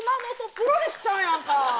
プロレスちゃんやんか。